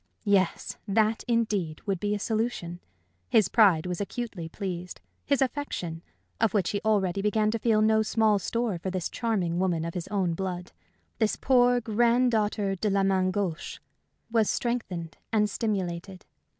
Yes, that, indeed, would be a solution. His pride was acutely pleased; his affection of which he already began to feel no small store for this charming woman of his own blood, this poor granddaughter de la main gauche was strengthened and stimulated.